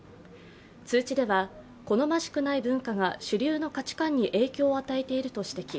通知では、好ましくない文化が主流の価値観に影響を与えていると指摘。